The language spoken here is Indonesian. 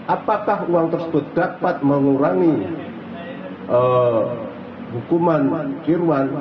apakah uang tersebut dapat mengurangi hukuman kirwan